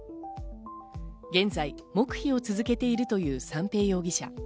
現在、黙秘を続けているという三瓶容疑者。